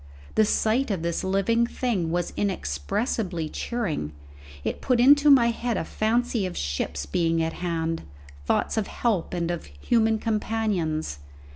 The sight of this living thing was inexpressibly cheering; it put into my head a fancy of ships being at hand, thoughts of help and of human companions.